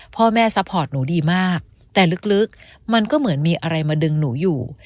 พ่อแม่ซัพพอร์ตหนูดีมากแต่ลึกมันก็เหมือนมีอะไรมาดึงหนูอยู่